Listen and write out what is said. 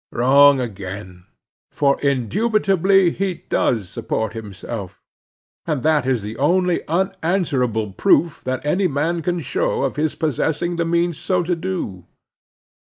Wrong again: for indubitably he does support himself, and that is the only unanswerable proof that any man can show of his possessing the means so to do.